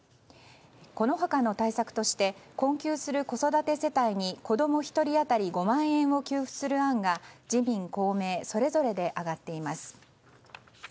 この他の対策として困窮する子育て世帯に子供１人当たり５万円を給付する案が自民・公明それぞれで上がっています。